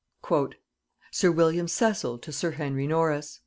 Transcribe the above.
"Sir William Cecil to sir Henry Norris.